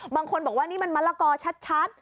บางคนบอกว่านี่มันมะละกอชัด